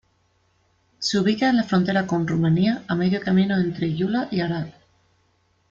Se ubica en la frontera con Rumania, a medio camino entre Gyula y Arad.